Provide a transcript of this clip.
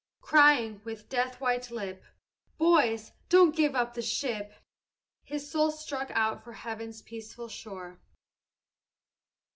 Crying, with death white lip, 'Boys, don't give up the ship!' His soul struck out for heaven's peaceful shore.